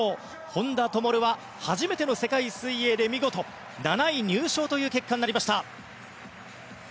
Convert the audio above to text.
本多灯は初めての世界水泳で見事７位入賞という結果になりました。